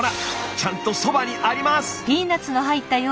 ちゃんとそばにあります！